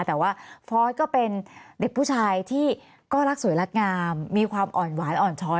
แต่ว่าฟอร์สก็เป็นเด็กผู้ชายที่ก็รักสวยรักงามมีความอ่อนหวานอ่อนช้อย